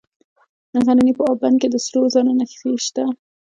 د غزني په اب بند کې د سرو زرو نښې شته.